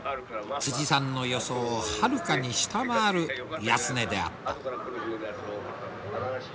さんの予想をはるかに下回る安値であった。